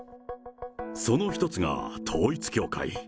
その１つが統一教会。